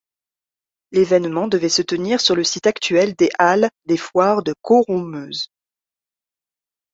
L'événement devait se tenir sur le site actuel des Halles des Foires de Coronmeuse.